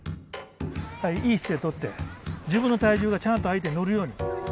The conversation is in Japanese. いい姿勢をとって自分の体重がちゃんと相手に乗るように。